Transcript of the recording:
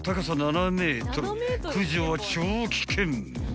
［駆除は超危険］